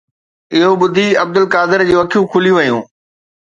اهو ٻڌي عبدالقادر جون اکيون کلي ويون